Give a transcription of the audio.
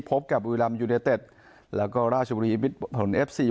พบกับอุยรัมย์ยูเนตเต็ดแล้วก็ราชบุรีวิทย์ผลเอฟซี